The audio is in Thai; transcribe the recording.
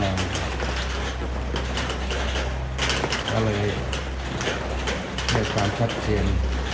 แล้วเลยให้ตามชัดเจน